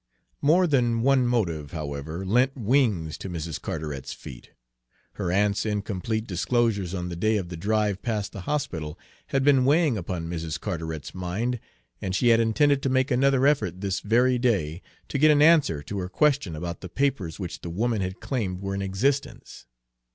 More than one motive, however, lent wings to Mrs. Carteret's feet. Her aunt's incomplete disclosures on the day of the drive past the hospital had been weighing upon Mrs. Carteret's mind, and she had intended to make another effort this very day, to get an answer to her question about the papers which the woman had claimed were in existence.